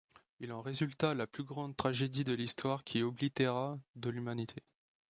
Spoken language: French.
Il en résulta la plus grande tragédie de l'Histoire qui oblitéra de l'humanité.